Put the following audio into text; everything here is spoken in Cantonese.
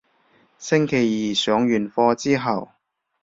星期二上完課之後